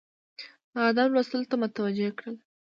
د ادب لوست ته متوجه کړل،